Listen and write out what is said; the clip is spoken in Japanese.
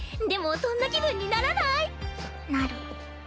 でもそんな気分にならない？